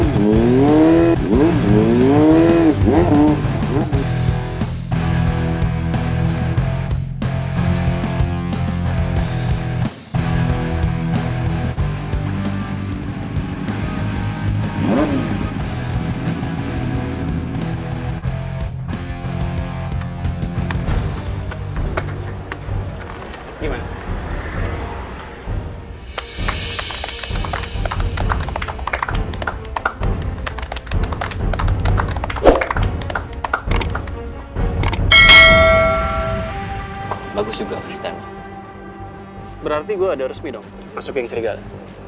berarti gue ada resmi dong masuk geng serigala